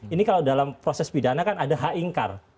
ini kalau dalam proses pidana kan ada haingkar